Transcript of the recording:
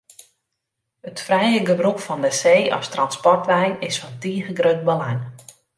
It frije gebrûk fan de see as transportwei is fan tige grut belang.